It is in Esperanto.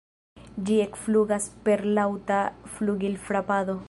Ĝi ekflugas per laŭta flugilfrapado.